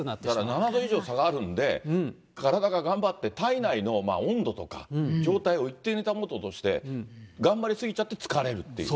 だから７度以上差があるんで、体が頑張って体内の温度とか、状態を一定に保とうとして、頑張り過ぎちゃって疲れるっていう。